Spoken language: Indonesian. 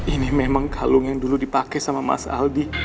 ini memang kalung yang dulu dipakai sama mas aldi